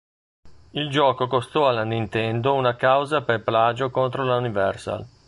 Il gioco costò alla Nintendo una causa per plagio contro la Universal.